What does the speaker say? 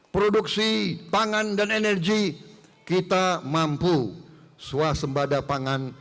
produksi pangan dan energi kita mampu swasembada pangan